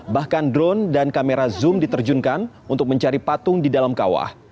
bahkan drone dan kamera zoom diterjunkan untuk mencari patung di dalam kawah